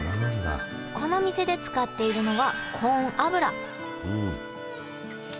この店で使っているのはうん。